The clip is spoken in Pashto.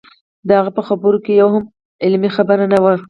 د هغه په خبرو کې یوه هم علمي خبره نه وه.